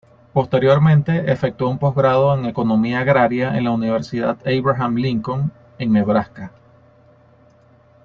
Posteriormente, efectuó un postgrado en Economía Agraria en la Universidad Abraham Lincoln, en Nebraska.